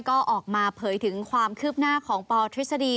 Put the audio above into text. ก็ออกมาเผยถึงความคืบหน้าของปทฤษฎี